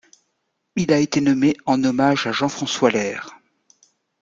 Il a été nommé en hommage à Jean-François L'Her.